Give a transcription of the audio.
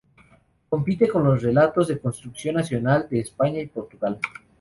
Compite con los relatos de construcción nacional de España y Portugal.